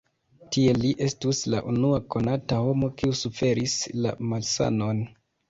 Tiel li estus la unua konata homo kiu suferis la malsanon.